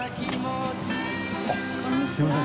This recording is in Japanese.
あっすみません。